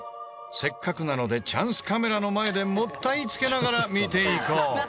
せっかくなのでチャンスカメラの前でもったいつけながら見ていこう。